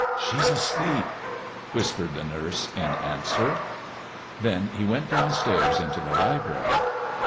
"She's asleep," whispered the nurse, in answer. Then he went down stairs into the library.